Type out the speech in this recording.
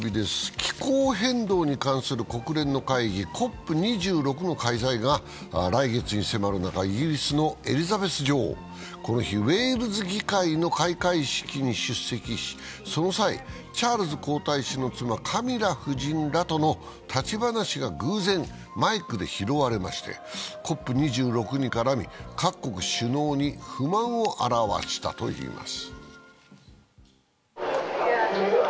気候変動に関する国連の会議、ＣＯＰ２６の開催が来月に迫る中、イギリスのエリザベス女王は、この日、ウェールズ議会の開会式に出席し、その際、チャールズ皇太子の妻・カミラ夫人らとの立ち話が偶然、マイクで拾われまして、ＣＯＰ２６に絡み、各国首脳に不満を表したといいます。